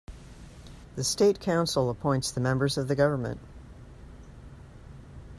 The State Council appoints the members of the Government.